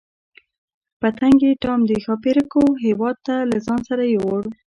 پتنګې ټام د ښاپیرکو هیواد ته له ځان سره یووړ.